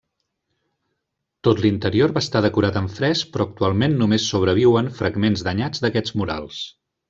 Tot l'interior va estar decorat amb frescs, però actualment només sobreviuen fragments danyats d'aquests murals.